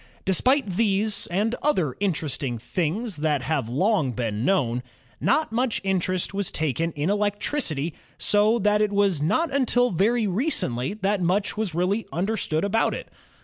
Despite these and other interesting things that have long been known, not much interest was taken in electricity so that it was not until very recently that much was really understood about it.